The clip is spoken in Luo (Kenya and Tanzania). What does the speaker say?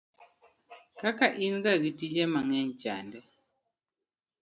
kaka in ga gi tije mang'eny chande